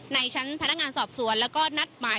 ในชั้นพนักงานสอบสวนแล้วก็นัดหมาย